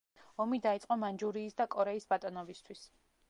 ომი დაიწყო მანჯურიის და კორეის ბატონობისთვის.